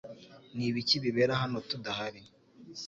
Ni ibiki bibera hano tudahari